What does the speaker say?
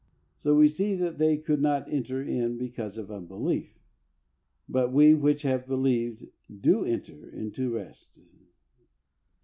So we see that they could not enter in because of unbelief.^^ " But we which have believed do enter into rest (yHeb.